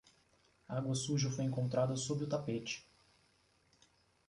Água suja foi encontrada sob o tapete